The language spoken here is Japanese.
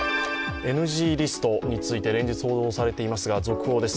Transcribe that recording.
ＮＧリストについて連日報道されていますが続報です。